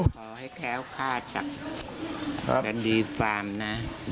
ขอให้แค้วคาดจากคดีฟาร์มนะ